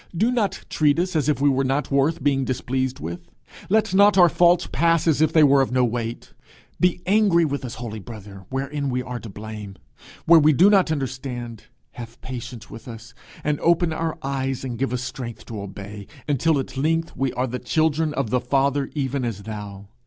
do not treat us as if we were not worth being displeased with; let not our faults pass as if they were of no weight. Be angry with us, holy brother, wherein we are to blame; where we do not understand, have patience with us, and open our eyes, and give us strength to obey, until at length we are the children of the Father even as thou.